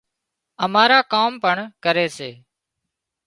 اماران ڪام پڻ ڪري سي